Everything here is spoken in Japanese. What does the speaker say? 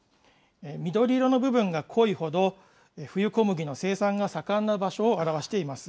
緑色の部分が濃いほど、冬小麦の生産が盛んな場所を表しています。